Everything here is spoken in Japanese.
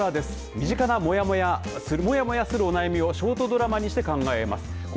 身近なもやもやもやもやするお悩みをショートドラマにして考えます。